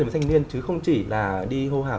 với thanh niên chứ không chỉ đi hô hào